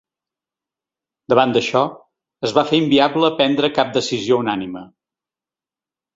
Davant d’això, es va fer inviable prendre cap decisió unànime.